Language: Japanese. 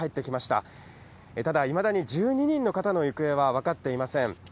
ただ、いまだに１２人の方の行方は分かっていません。